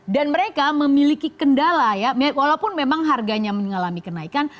dan mereka memiliki kendala ya walaupun memang harganya mengalami kenaikan